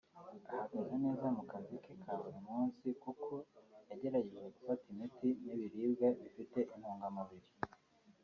ahagaze neza mu kazi ke ka buri munsi kuko yagerageje gufata imiti n’ibiribwa bifite intungamubiri